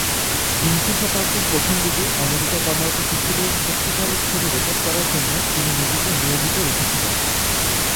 বিংশ শতাব্দীর প্রথম দিকে আমেরিকায় কর্মরত শিশুদের সত্যিকারের ছবি রেকর্ড করার জন্য তিনি নিজেকে নিয়োজিত রেখেছিলেন।